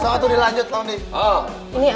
so waktu ini lanjut longdi